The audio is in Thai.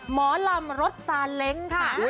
หมอลำรถซาเล้งค่ะ